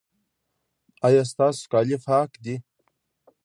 ایا ستاسو کالي پاک دي؟